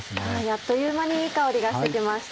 あっという間にいい香りがしてきました。